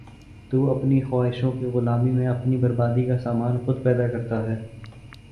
تو اپنی خواہشوں کی غلامی میں اپنی بربادی کا سامان خود پیدا کرتا ہے ۔